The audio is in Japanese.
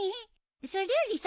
それよりさ